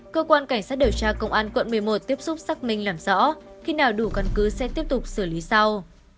cơ quan cảnh sát điều tra công an quận một mươi một tiếp xúc xác minh làm rõ khi nào đủ căn cứ sẽ tiếp tục xử lý sau